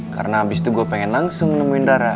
karena abis itu gue pengen langsung nemuin dara